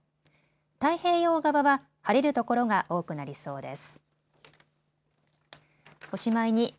太平洋側は晴れる所が多くなりそうです。